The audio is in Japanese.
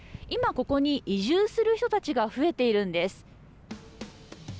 今、ここに移住する人たちが増えているんです。